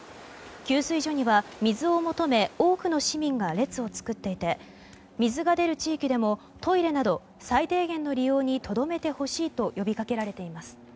給水所には水を求め多くの市民が列を作っていて水が出る地域でもトイレなど最低限の利用にとどめてほしいと呼びかけられています。